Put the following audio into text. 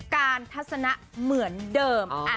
กาลทัสนะเหมือนเดิม